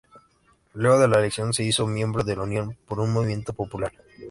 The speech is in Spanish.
Luego de la elección se hizo miembro de la Unión por un Movimiento Popular.